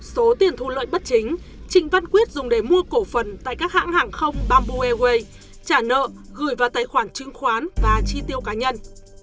số tiền thu lợi bất chính trịnh văn quyết dùng để mua cổ phần tại các hãng hàng không bamboo airways trả nợ gửi vào tài khoản chứng khoán và chi tiêu cá nhân